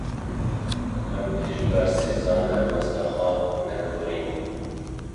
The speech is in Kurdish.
Em dê ji ber sizayan helwesta xwe neguherînin.